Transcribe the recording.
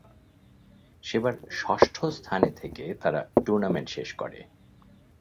সেবার ষষ্ঠ স্থানে থেকে তারা টুর্নামেন্ট শেষ করে।